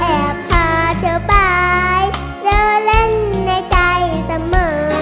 พาเธอไปเธอเล่นในใจเสมอ